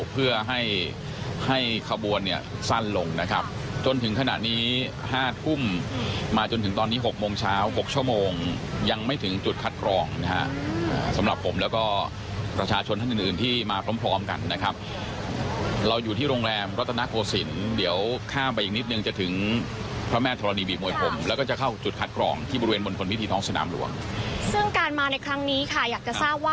มาจนถึงตอนนี้๖โมงเช้า๖ชั่วโมงยังไม่ถึงจุดคัดกรองนะครับสำหรับผมแล้วก็ประชาชนท่านอื่นที่มาพร้อมกันนะครับเราอยู่ที่โรงแรมรัตนาโคสินเดี๋ยวข้ามไปอีกนิดนึงจะถึงพระแม่ธรรมดีบีบมวยพรหมแล้วก็จะเข้าจุดคัดกรองที่บริเวณบนพลวิธีท้องสนามหลวงซึ่งการมาในครั้งนี้ค่ะอยากจะทราบว